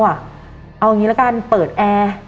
เอาอย่างนี้ละกันเปิดแอร์